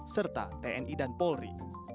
serta tni dan polri